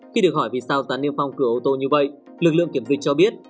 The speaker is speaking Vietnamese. khi được hỏi vì sao giá niêm phong cửa ô tô như vậy lực lượng kiểm dịch cho biết